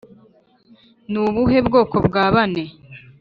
ni ubuhe bwoko bwa bane,